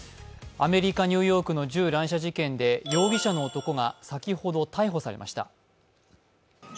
アメリカ・ニューヨークの銃乱射事件で、容疑者の男が先ほど逮捕されました。